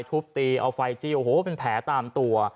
ทุบตีเอาไฟจี้โอ้โหเป็นแผลตามตัว